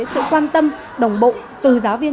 sự quan tâm đồng bộ từ giáo viên